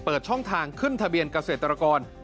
เปิดช่องทางขึ้นทะเบียนเกษตรกร